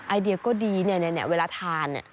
ไอเดียก็ดีเนี่ยเวลาทานเนี่ย